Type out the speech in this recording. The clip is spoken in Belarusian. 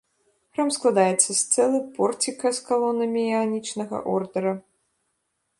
Храм складаецца з цэлы, порціка з калонамі іанічнага ордара.